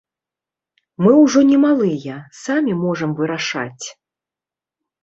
Мы ўжо не малыя, самі можам вырашаць.